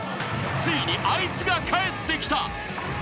［ついにあいつが帰ってきた！］